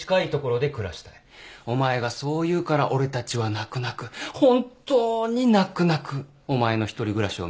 お前がそう言うから俺たちは泣く泣く本当に泣く泣くお前の一人暮らしを認めたのに。